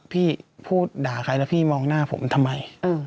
พี่พูดด่าใครแล้วพี่มองหน้าผมทำไม